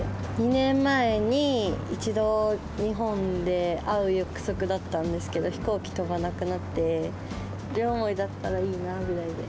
２年前に一度、日本で会う約束だったんですけど、飛行機飛ばなくなって、両思いだったらいいなぐらいで。